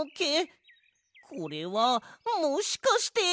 これはもしかして。